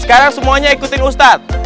sekarang semuanya ikutin ustadz